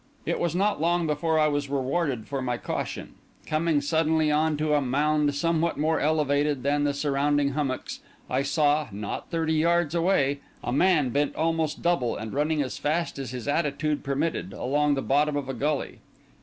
It was not long before I was rewarded for my caution. Coming suddenly on to a mound somewhat more elevated than the surrounding hummocks, I saw, not thirty yards away, a man bent almost double, and running as fast as his attitude permitted, along the bottom of a gully.